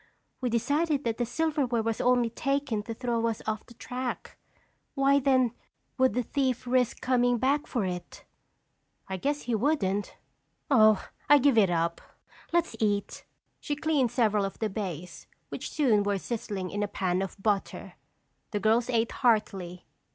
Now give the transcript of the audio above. "We decided that the silverware was only taken to throw us off the track. Why then, would the thief risk coming back for it?" "I guess he wouldn't. Oh, I give it up. Let's eat!" She cleaned several of the bass, which soon were sizzling in a pan of butter. The girls ate heartily.